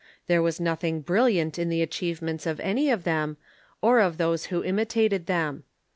There was nothing brilliant in the achievements of any of them, or of those who imitated them.